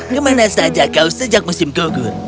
kemana saja kau sejak musim gugur